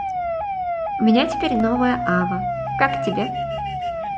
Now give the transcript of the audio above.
У меня теперь новая ава, как тебе?